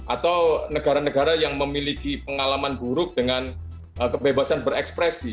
atau negara negara yang memiliki pengalaman buruk dengan kebebasan berekspresi